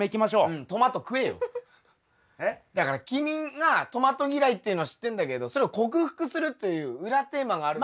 だから君がトマト嫌いっていうのは知ってんだけどそれを克服するという裏テーマがあるんだよ。